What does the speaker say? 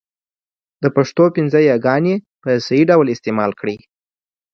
د پښتو پنځه یاګاني ی، ي، ې، ۍ، ئ په صحيح ډول استعمال کړئ!